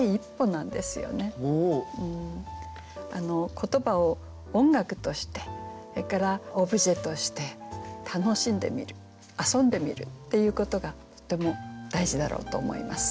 言葉を音楽としてそれからオブジェとして楽しんでみる遊んでみるっていうことがとても大事だろうと思います。